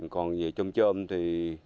còn về trôm trôm thì